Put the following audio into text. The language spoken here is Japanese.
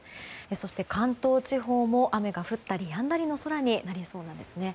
そして、関東地方も雨が降ったりやんだりの空になりそうなんですね。